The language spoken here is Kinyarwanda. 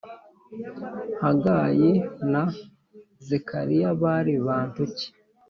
Hagayi na Zekariya bari bantu ki